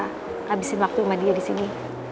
habisin waktu sama dia disini